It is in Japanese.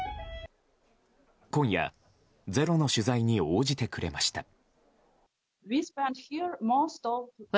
今夜、「ｚｅｒｏ」の取材に応じてくれました。